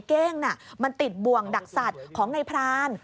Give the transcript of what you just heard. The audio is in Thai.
เก้งน่ะมันติดบ่วงดักสัตว์ของนายพราน